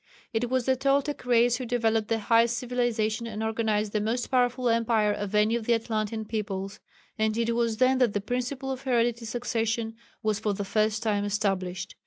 It was the Toltec race who developed the highest civilization and organized the most powerful empire of any of the Atlantean peoples, and it was then that the principle of hereditary succession was for the first time established.